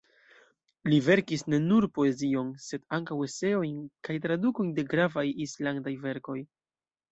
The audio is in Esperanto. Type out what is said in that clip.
Li verkis ne nur poezion sed ankaŭ eseojn kaj tradukojn de gravaj islandaj verkoj.